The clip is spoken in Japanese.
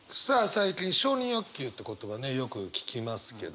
最近「承認欲求」って言葉ねよく聞きますけど。